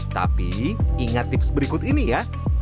tapi ingat tips berikut ini ya